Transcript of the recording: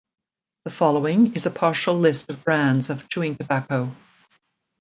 The following is a partial list of brands of chewing tobacco.